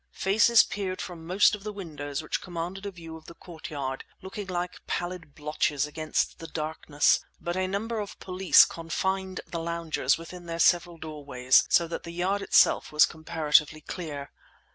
Faces peered from most of the windows which commanded a view of the courtyard, looking like pallid blotches against the darkness; but a number of police confined the loungers within their several doorways, so that the yard itself was comparatively clear.